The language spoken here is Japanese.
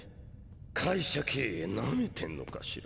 会社経営ナメてんのかしら。